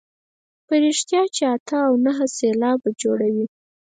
په رښتیا چې اته او نهه سېلابه جوړوي.